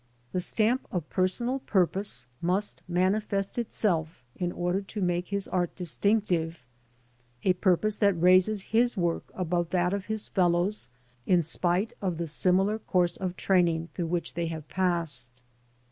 The stamp of personal purpose must manifest itself in order to make his art distinctive — a purpose that raises his work above that of his fellows in spite of the similar course of training through which they have passed.